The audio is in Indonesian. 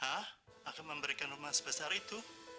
kita akan memberikan rumah sebesar itu